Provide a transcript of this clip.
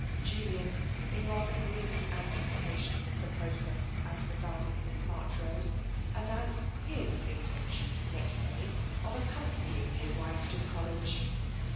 Julian, in rather grim anticipation of the process as regarded Miss Marchrose, announced his intention next day of accompanying his wife to the College.